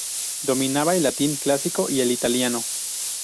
Dominaba el latín clásico y el italiano.